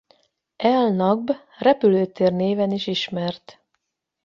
El-Nakb repülőtér néven is ismert.